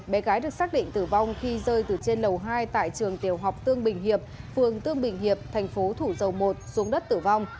bé gái được xác định tử vong khi rơi từ trên lầu hai tại trường tiểu học tương bình hiệp phường tương bình hiệp thành phố thủ dầu một xuống đất tử vong